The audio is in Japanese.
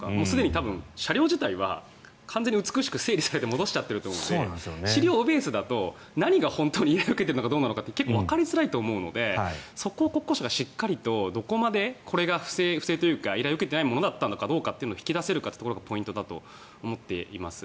多分、車両自体は完全に美しく整備されて戻しちゃっていると思うので資料ベースだと何が本当に受けているのかっていうのが結構、わかりづらいと思うのでそこを国交省がしっかりとどこまで不正が保険請求を依頼を受けていなかったものかどうかを引き出せるかがポイントだと思っています。